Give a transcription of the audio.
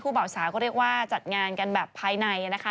เบาสาวก็เรียกว่าจัดงานกันแบบภายในนะคะ